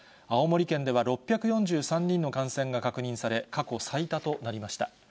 青森県では６４３人の感染が確認され、過去最多となりました。